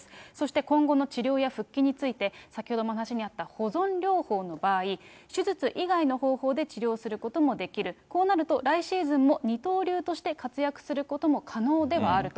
そして今後の治療や復帰について、先ほども話にあった保存療法の場合、手術以外の方法で治療することもできる、こうなると来シーズンも二刀流として活躍することも可能ではあると。